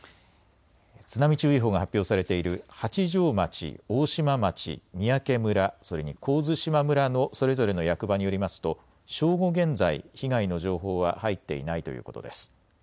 津波注意報が発表されている八丈町、大島町、三宅村、それに神津島村のそれぞれの役場によりますと正午現在、被害の情報は入っていないということです。